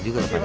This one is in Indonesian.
gue terima ya